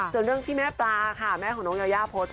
ส่วนเรื่องที่แม่ปลาค่ะแม่ของน้องยายาโพสต์